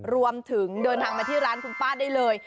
รวมถึงเดินทางมาที่ร้านคุณป้าได้เลย